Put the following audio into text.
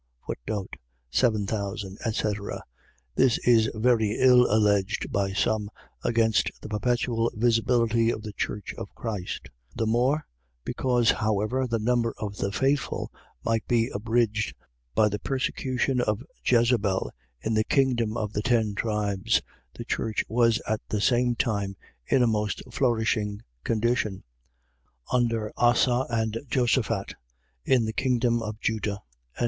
Seven thousand, etc. . .This is very ill alleged by some, against the perpetual visibility of the church of Christ; the more, because however the number of the faithful might be abridged by the persecution of Jezabel in the kingdom of the ten tribes, the church was at the same time in a most flourishing condition (under Asa and Josaphat) in the kingdom of Judah. 11:5.